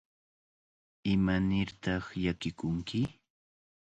¿Imanirtaq llakikunki?